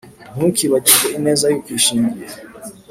Ntukibagirwe ineza y’ukwishingiye,